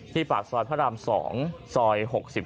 ที่ปากซอยพระดำ๒ซอย๖๙